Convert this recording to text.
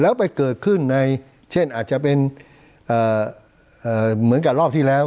แล้วไปเกิดขึ้นในเช่นอาจจะเป็นเหมือนกับรอบที่แล้ว